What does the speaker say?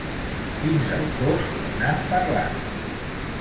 Quins autors n'han parlat?